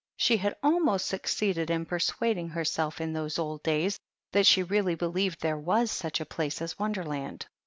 She had almost succeeded in persuading herself in those old days 16 PEGGY THE PlG. that she really believed there was such a place as Wonderland.